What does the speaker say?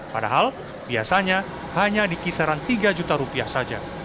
padahal biasanya hanya di kisaran tiga juta rupiah saja